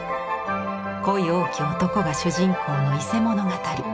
恋多き男が主人公の「伊勢物語」。